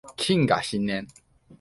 謹賀新年